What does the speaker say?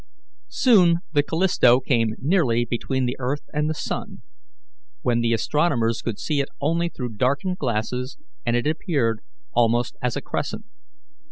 '" Soon the Callisto came nearly between the earth and the sun, when the astronomers could see it only through darkened glasses, and it appeared almost as a crescent.